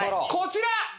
こちら。